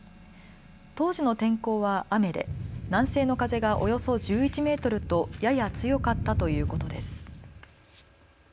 当時の天候は雨で南西の風がおよそ１１メートルとやや強かったということです。